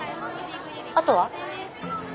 あとは？